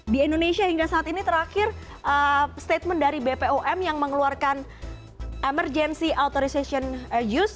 di indonesia hingga saat ini terakhir statement dari bpom yang mengeluarkan emergency authorization use